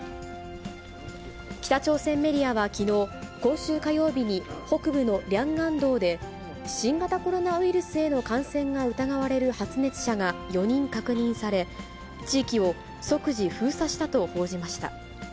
北朝鮮メディアはきのう、今週火曜日に北部のリャンガン道で新型コロナウイルスへの感染が疑われる発熱者が４人確認され、地域を即時封鎖したと報じました。